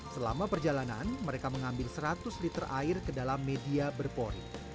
selama perjalanan mereka mengambil seratus liter air ke dalam media berpori